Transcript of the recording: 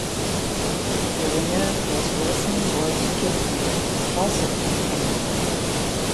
The winner was Wilson Boit Kipketer, also from Kenya.